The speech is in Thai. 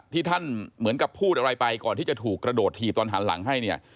ที่ท่านเหมือนกับพูดอะไรไปก่อนที่จะถูกกระโดดถีบตอนหันหลังให้เนี่ย